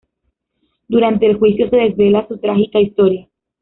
Durante el juicio se desvela su trágica historia.